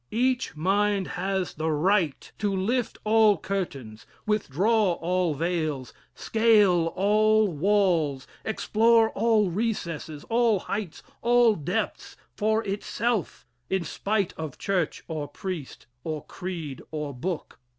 Each mind has the right to lift all curtains, withdraw all veils, scale all walls, explore all recesses, all heights, all depths for itself, in spite of church or priest, or creed or book.